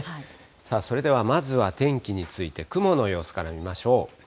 さあそれではまずは天気について、雲の様子から見ましょう。